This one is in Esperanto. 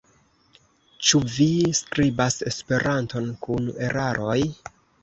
Ĉu vi skribas Esperanton kun eraroj?